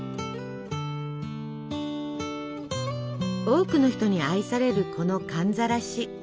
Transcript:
多くの人に愛されるこの寒ざらし。